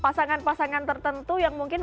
pasangan pasangan tertentu yang mungkin